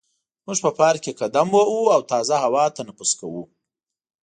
موږ په پارک کې قدم وهو او تازه هوا تنفس کوو.